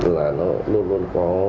là nó luôn luôn có